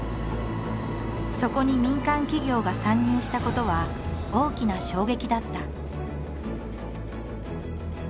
そこに民間企業が参入したことは大きな衝撃だった。